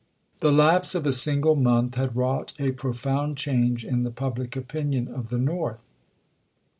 The lapse of a single month had wrought a pro found change in the public opinion of the North.